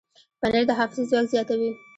پنېر د حافظې ځواک زیاتوي.